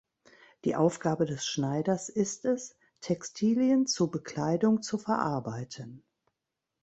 Die Aufgabe des Schneiders ist es, Textilien zu Bekleidung zu verarbeiten.